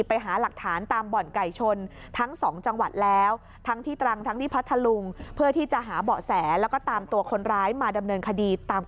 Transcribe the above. ไปหาหลักฐานตามบ่อนไก่ชนทั้งสองจังหวัดแล้ว